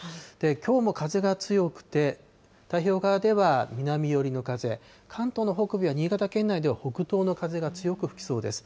きょうも風が強くて、太平洋側では南寄りの風、関東の北部や新潟県内では、北東の風が強く吹きそうです。